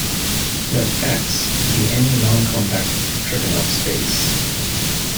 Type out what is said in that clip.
Let "X" be any noncompact Tychonoff space.